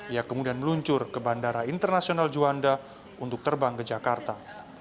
ia kemudian meluncur ke bandara internasional juanda untuk terbang ke jakarta